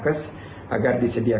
agar disediakan juga ke tempat lain